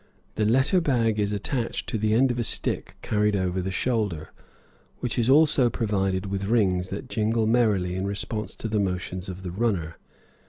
The letter bag is attached to the end of a stick carried over the shoulder, which is also provided with rings that jingle merrily in response to the motions of the runner.